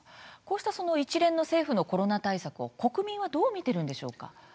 こうした一連の政府のコロナ対策を国民はどう見ているんでしょうか。